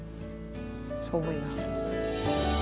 そう思います。